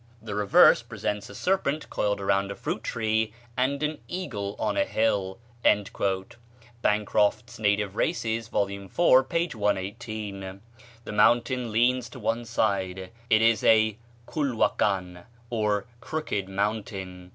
The reverse presents a serpent coiled around a fruit tree, and an eagle on a hill." (Bancroft's "Native Races," vol. iv., p. 118.) The mountain leans to one side: it is a "culhuacan," or crooked mountain.